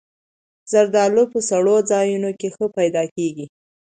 زردالو په سړو ځایونو کې ښه پیدا کېږي.